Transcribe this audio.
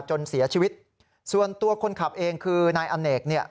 จนเสียชีวิตส่วนตัวคนขับเองคือนายอเนกเนี่ย